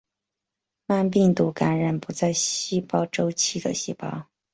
慢病毒感染不在细胞周期的细胞。